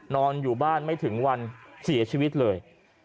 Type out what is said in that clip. นอนอยู่บ้านไม่ถึงวันเสียชีวิตเลย